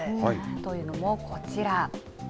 というのも、こちら。